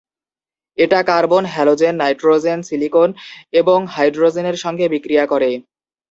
এটা carbon, halogen, nitrogen, silicon এবং হাইড্রোজেনের সঙ্গে বিক্রিয়া করে।